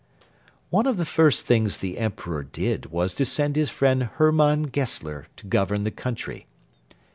One of the first things the Emperor did was to send his friend Hermann Gessler to govern the country.